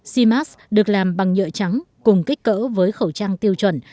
c max được làm bằng nhựa trắng cùng kích cỡ với khẩu trang tiêu chuẩn